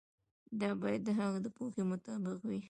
دا باید د هغه د پوهې مطابق وي.